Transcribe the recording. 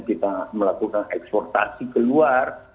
kita melakukan eksportasi keluar